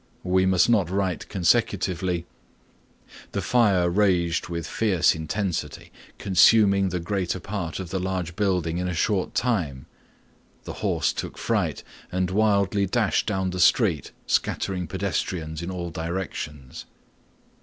We must not write consecutively: "The fire raged with fierce intensity, consuming the greater part of the large building in a short time." "The horse took fright and wildly dashed down the street scattering pedestrians in all directions."